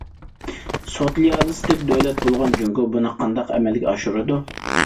سوتسىيالىستىك دۆلەت بولغان جۇڭگو بۇنى قانداق ئەمەلگە ئاشۇرىدۇ.